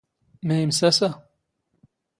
ⵎⴰ ⵉⵎⵙⴰⵙⴰ?